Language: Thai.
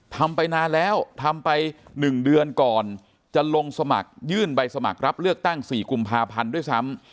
ทำไปนานแล้วทำไป๑เดือนก่อนจะลงสมัครยื่นใบสมัครรับเลือกตั้ง๔กุมภาพันธ์ด้วยซ้ำ